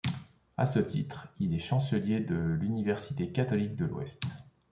À ce titre, il est chancelier de l'université catholique de l'Ouest.